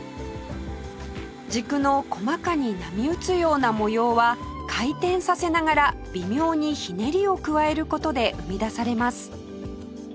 軸の細かに波打つような模様は回転させながら微妙にひねりを加える事で生み出されます